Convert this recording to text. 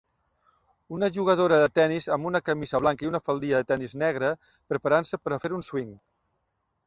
Una jugadora de tenis amb una camisa blanca i una faldilla de tenis negra preparant-se per a fer un swing.